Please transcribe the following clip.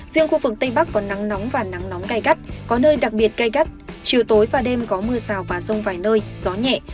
riêng khu vực tây bắc có nắng nóng và nắng nóng gai gắt có nơi đặc biệt gai gắt chiều tối và đêm có mưa rào và rông vài nơi gió nhẹ